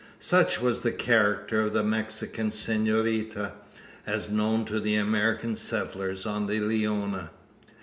Such was the character of the Mexican senorita, as known to the American settlers on the Leona.